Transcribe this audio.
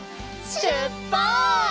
しゅっぱつ！